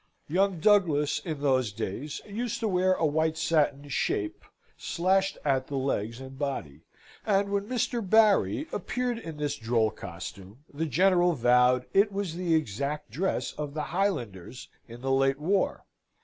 Young Douglas, in those days, used to wear a white satin "shape" slashed at the legs and body, and when Mr. Barry appeared in this droll costume, the General vowed it was the exact dress of the Highlanders in the late war.